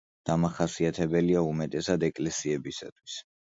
დამახასიათებელია უმეტესად ეკლესიებისათვის.